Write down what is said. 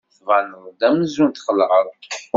Tbaneḍ-d amzun txelɛeḍ.